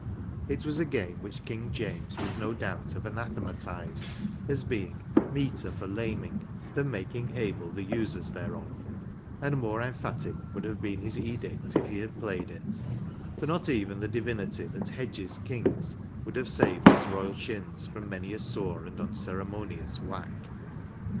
It was a game which King James would, no doubt, have anathematized as being " meeter for laming than making able the users thereof ;" and more emphatic would have been this edict had he played it ; for not even the divinity that hedges kings would have saved his royal shins from many a sore and unceremonious whack.